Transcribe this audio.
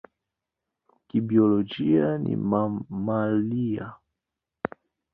Kibiolojia ni mamalia.